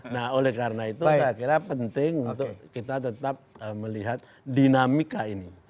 nah oleh karena itu saya kira penting untuk kita tetap melihat dinamika ini